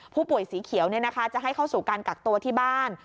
สีเขียวจะให้เข้าสู่การกักตัวที่บ้าน